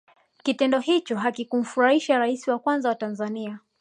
kitendo hicho hakikumfurahisha raisi wa kwanza wa tanzania